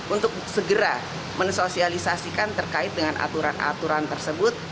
untuk segera mensosialisasikan terkait dengan aturan aturan tersebut